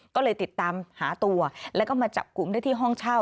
ก็เลยติดตามหาตัวแล้วก็มาจับกลุ่มได้ที่ห้องเช่า